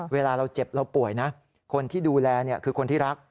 เวลาเราเจ็บเราป่วยนะคนที่ดูแลคือคนที่รัก